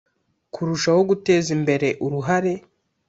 Kurushasho guteza imbere uruhare